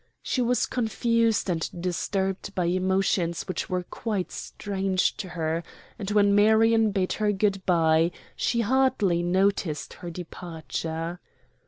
She was confused and disturbed by emotions which were quite strange to her, and when Marion bade her good by she hardly noticed her departure.